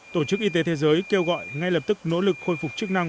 tổ chức y tế thế giới kêu gọi ngay lập tức nỗ lực khôi phục chức năng